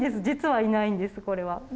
実はいないんですこれは。